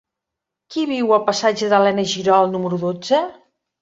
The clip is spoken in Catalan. Qui viu al passatge d'Elena Girol número dotze?